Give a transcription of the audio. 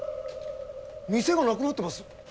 店がなくなってます。